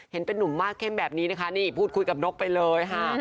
เห็นเป็นนุ่มมากเข้มแบบนี้นะคะนี่พูดคุยกับนกไปเลยค่ะ